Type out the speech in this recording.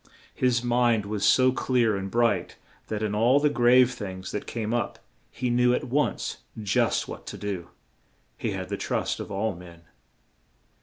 His mind was so clear and bright that in all the grave things that came up he knew at once just what to do, he had the trust of all men.